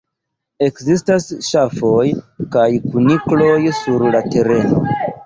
Ekzistas ŝafoj kaj kunikloj sur la tereno.